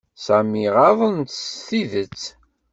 Sami ɣaḍen-t s tidet.